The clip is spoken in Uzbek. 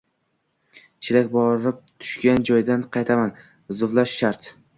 Chillak borib tushgan joydan qaytadan zuvlash shart.